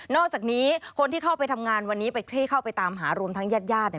นอกจากนี้คนที่เข้าไปทำงานวันนี้ที่เข้าไปตามหารมทั้งญาติ